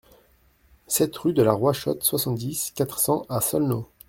sept rue de la Roichotte, soixante-dix, quatre cents à Saulnot